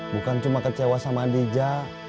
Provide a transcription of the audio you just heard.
bukan cuma kecewa sama adija